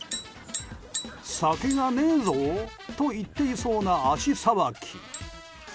酒がねーぞー！と言っていそうな足さばき。